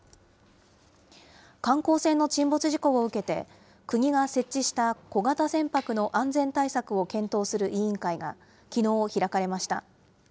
観光船の沈没事故を受けて、国が設置した小型船舶の安全対策を検討する委員会が、きのう開かれました。